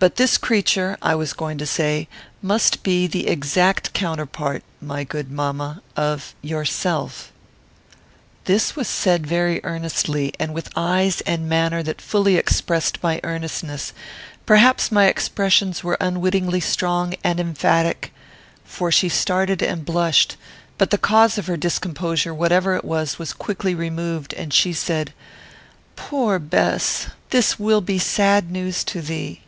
But this creature, I was going to say, must be the exact counterpart, my good mamma of yourself." This was said very earnestly, and with eyes and manner that fully expressed my earnestness; perhaps my expressions were unwittingly strong and emphatic, for she started and blushed, but the cause of her discomposure, whatever it was, was quickly removed, and she said, "Poor Bess! This will be sad news to thee!"